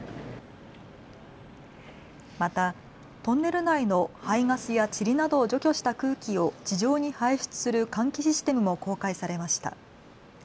またトンネル内の排ガスやちりなどを除去した空気を地上に排出する換気システムも公開されました。